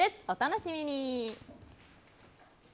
お楽しみに！